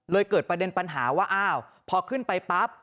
เลยเกิดประเด็นปัญหาว่าพอขึ้นไปปั๊บ